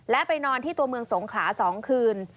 และไปนอนที่ตัวเมืองสงขลา๒คืน